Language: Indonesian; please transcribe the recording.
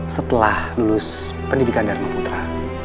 setelah lulus pendidikan dharma putra